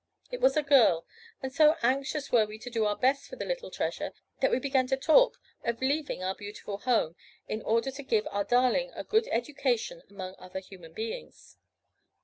It was a girl; and so anxious were we to do our best for the little treasure, that we began to talk of leaving our beautiful home, in order to give our darling a good education among other human beings.